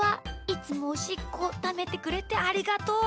いつもおしっこためてくれてありがとう。